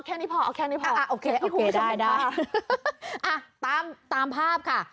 เอาแค่นี้พอโอเคได้อ่ะตามภาพค่ะ